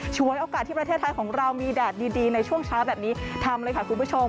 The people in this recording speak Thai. ฉวยโอกาสที่ประเทศไทยของเรามีแดดดีในช่วงเช้าแบบนี้ทำเลยค่ะคุณผู้ชม